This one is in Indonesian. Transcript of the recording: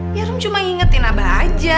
ya rum cuma ingetin abah aja